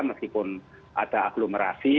meskipun ada agglomerasi